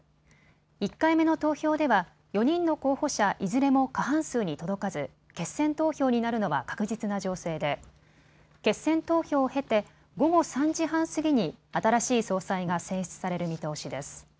１回目の投票では４人の候補者いずれも過半数に届かず、決選投票になるのは確実な情勢で決選投票を経て午後３時半過ぎに新しい総裁が選出される見通しです。